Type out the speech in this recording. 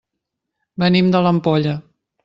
Venim de l'Ampolla.